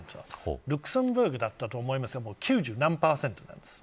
ルクセンブルクだと思いますが９０何％なんです。